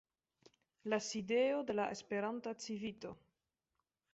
la sidejo de la Esperanta Civito.